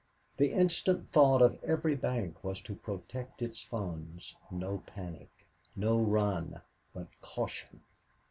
The instant thought of every bank was to protect its funds no panic no run but caution.